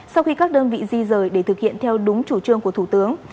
sau khi các đơn vị di rời để thực hiện theo đúng chủ trương của thủ tướng